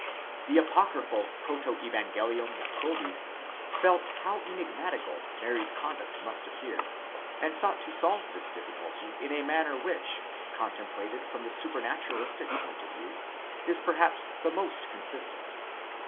The apocryphal Protevangelium Jacobi felt how enigmatical Mary's conduct must appear, and sought to solve the difficulty in a manner which, contemplated from the supranaturalistic point of view, is perhaps the most consistent.